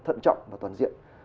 thận trọng và toàn diện